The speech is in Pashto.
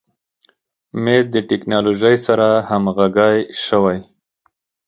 مېز د تکنالوژۍ سره همغږی شوی.